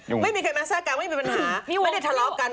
ไม่มีใครมาแทรกกันไม่มีปัญหา